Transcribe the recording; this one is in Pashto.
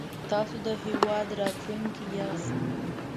تاسو د هېواد راتلونکی ياست